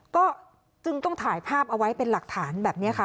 ก็จึงต้องถ่ายภาพเอาไว้เป็นหลักฐานแบบนี้ค่ะ